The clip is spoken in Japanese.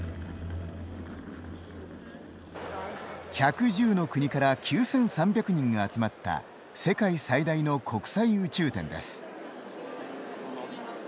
１１０の国から９，３００人が集まった世界最大の国際宇宙展です。